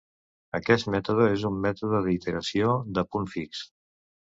Aquest mètode és un mètode d'iteració de punt fix.